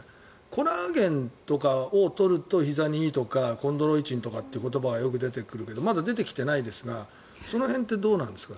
コラーゲンとかを取るとひざにいいとかコンドロイチンという言葉がよく出てくるけどまだ出てきてないですがその辺はどうですか？